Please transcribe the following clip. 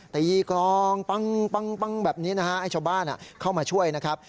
กลองปั้งแบบนี้นะฮะให้ชาวบ้านเข้ามาช่วยนะครับ